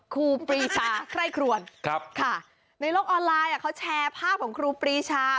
ครูปรีชาไคร่ครวนในโลกออนไลน์เขาแชร์ภาพของครูปรีชา